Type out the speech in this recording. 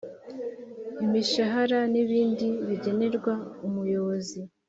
imishahara n ibindi bigenerwa umuyobozi